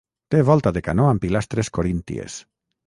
Té volta de canó amb pilastres corínties.